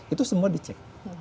itu semua dicek